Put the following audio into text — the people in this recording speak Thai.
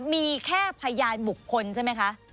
มีแค่พยานบุคคลใช่ไหมคะ